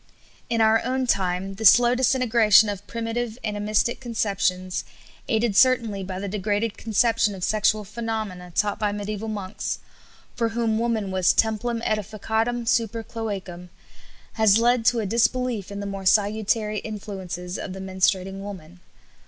In our own time the slow disintegration of primitive animistic conceptions, aided certainly by the degraded conception of sexual phenomena taught by mediæval monks for whom woman was "templum ædificatum super cloacam" has led to a disbelief in the more salutary influences of the menstruating woman.